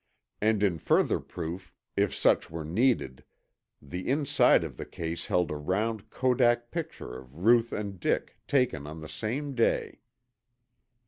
And in further proof, if such were needed, the inside of the case held a round kodak picture of Ruth and Dick, taken on the same day!